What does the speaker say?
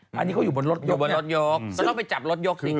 บนรถยกบนรถยกมันต้องไปจับรถยกสิ